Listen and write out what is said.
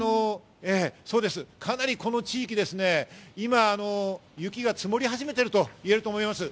かなりこの地域、雪が積もり始めているといえると思います。